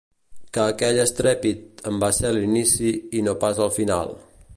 Que aquell estrèpit en va ser l'inici i no pas el final.